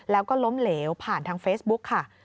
แล้วก็ล้มเหลวผ่านทางเฟซบุ๊กค่ะ